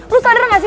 lo sadar gak sih